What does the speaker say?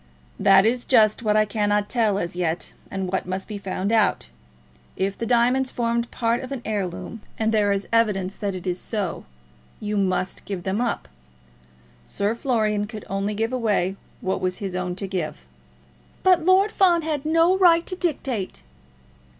"That is just what I cannot tell as yet, and what must be found out. If the diamonds formed part of an heirloom, and there is evidence that it is so, you must give them up. Sir Florian could only give away what was his own to give." "But Lord Fawn had no right to dictate."